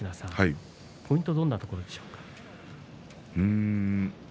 ポイントはどんなところでしょうか？